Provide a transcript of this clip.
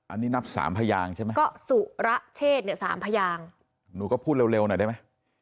อันนี้นับสามพยางใช่ไหมก็สุระเชษเนี่ยสามพยางหนูก็พูดเร็วหน่อยได้ไหม